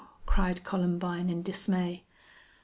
cried Columbine, in dismay.